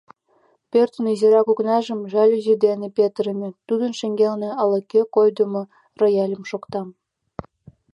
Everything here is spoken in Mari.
Пӧртын изирак окнажым жалюзи дене петырыме, тудын шеҥгелне ала-кӧ койдымо рояльым шокта.